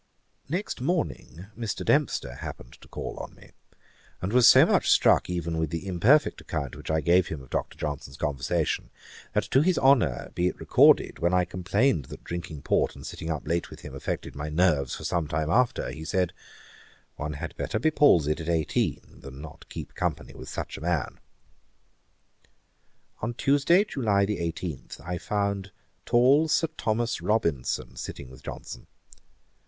] Next morning Mr. Dempster happened to call on me, and was so much struck even with the imperfect account which I gave him of Dr. Johnson's conversation, that to his honour be it recorded, when I complained that drinking port and sitting up late with him affected my nerves for some time after, he said, 'One had better be palsied at eighteen than not keep company with such a man.' [Page 435: The King of Prussia. Ætat 54.] On Tuesday, July 18, I found tall Sir Thomas Robinson sitting with Johnson.